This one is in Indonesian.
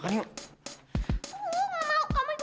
dani told you dasando